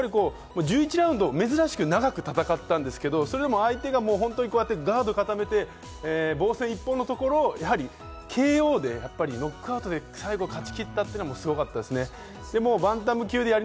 アジア初、日本初もすごいですけど、１１ラウンド、珍しく長く戦ったんですけど、それでも相手がガード固めて防戦一方のところをＫＯでノックアウトで最後、勝ち切ったというのがすごかったですね。